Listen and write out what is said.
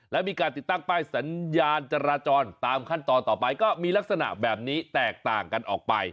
และมีการติดตั้งป้ายสัญญาณจราจรตามขั้นตอนต่อไปก็มีลักษณะแบบนี้แตกต่างกันออกไป